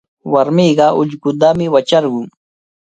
Warmiqa ullqutami wacharqun.